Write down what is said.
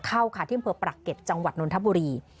เข้าที่เมืองปรักเก็ตจังหวัดนนทบุรี